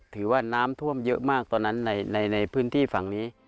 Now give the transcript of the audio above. ถือว่าน้ำท่วมเยอะมากตอนนั้นในพื้นที่ฝั่งนี้